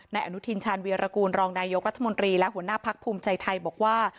อนุทินชาญวีรกูลรองนายกรัฐมนตรีและหัวหน้าพักภูมิใจไทยบอกว่า